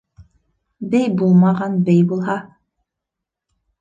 Бей булмаған бей булһа